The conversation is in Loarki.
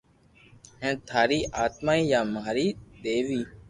ھين ٿاري آتماني ڀآ ماري دآيو